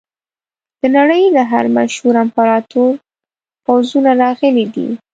د نړۍ د هر مشهور امپراتور پوځونه راغلي دي.